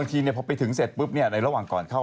เล่นเกมน่ารักยืนปิ้งเหนืออยากเลย